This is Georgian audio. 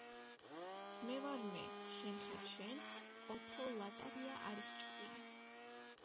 მე ვარ მე. შენ ხარ შენ. ოთო ლატარია არის ჭკვიანი.